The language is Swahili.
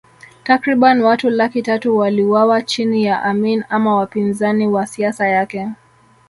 Takriban watu laki tatu waliuawa chini ya Amin ama wapinzani wa siasa yake